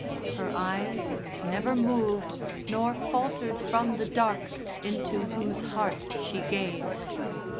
Her eyes never moved nor faltered from the dark into whose heart she gazed.